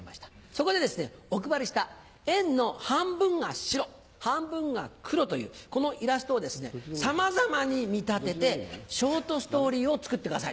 そこでお配りした円の半分が白半分が黒というこのイラストをさまざまに見立ててショートストーリーを作ってください。